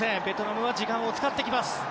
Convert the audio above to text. ベトナムは時間を使ってきます。